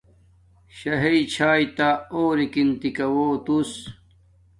شݳ ہݵئ چھݳ تݳ ݳورِکِن تِکَݸہ تُس.